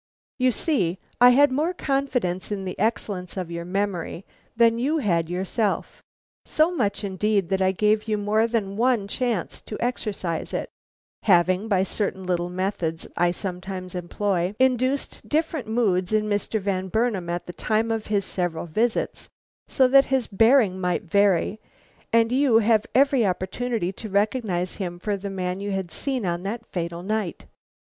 You see I had more confidence in the excellence of your memory than you had yourself, so much indeed that I gave you more than one chance to exercise it, having, by certain little methods I sometimes employ, induced different moods in Mr. Van Burnam at the time of his several visits, so that his bearing might vary, and you have every opportunity to recognize him for the man you had seen on that fatal night."